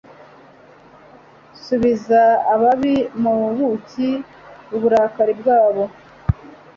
subiza ababi mubuki uburakari bwabo